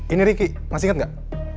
ini ricky masih inget gak